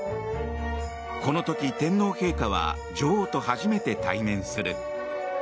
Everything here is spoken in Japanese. この時、天皇陛下は女王と初めて対面する。